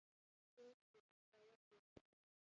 کورس د ځان باور زیاتوي.